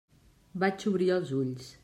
Vaig obrir els ulls.